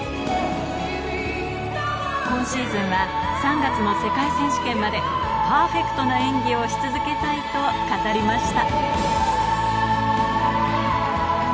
今シーズンは３月の世界選手権までパーフェクトな演技をし続けたいと語りました